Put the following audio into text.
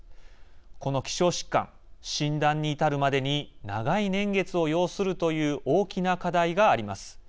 この希少疾患、診断に至るまでに長い年月を要するという大きな課題があります。